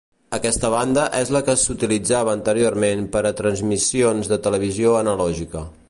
Aquesta banda és la que s'utilitzava anteriorment per a transmissions de televisió analògica.